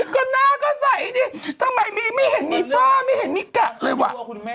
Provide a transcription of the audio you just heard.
ก็หน้าก็ใสจริงทำไมไม่เห็นหนี้ป้าไม่เห็นนี่เกลาเลยวะ